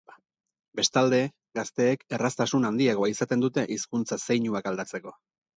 Bestalde, gazteek erraztasun handiagoa izaten dute hizkuntza zeinuak aldatzeko.